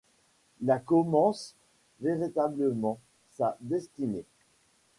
Là commence véritablement sa destinée.